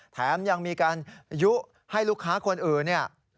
แถมยังมีการยุให้ลูกค้าคนอื่นเนี่ย